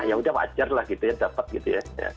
ya udah wajar lah gitu ya dapat gitu ya